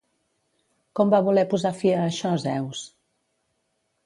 Com va voler posar fi a això Zeus?